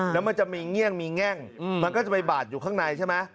แล้วมันจะมีเงี่ยงมีแง่งมันก็จะไปบาดอยู่ข้างในใช่ไหม